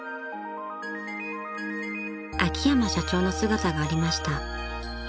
［秋山社長の姿がありました］